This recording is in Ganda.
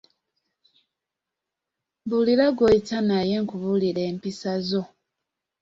Mbuulira gw'oyita naye nkubuulire empisa zo.